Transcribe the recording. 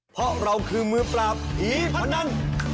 เพราะเราคือมือปราบผีพนัน